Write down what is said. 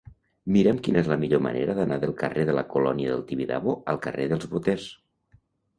Mira'm quina és la millor manera d'anar del carrer de la Colònia del Tibidabo al carrer dels Boters.